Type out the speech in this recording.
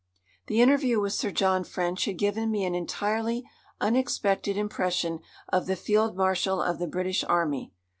The interview with Sir John French had given me an entirely unexpected impression of the Field Marshal of the British Army.